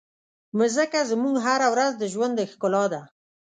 مځکه زموږ هره ورځ د ژوند ښکلا ده.